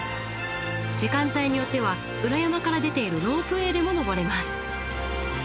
時間帯によっては裏山から出ているロープウエーでも登れます。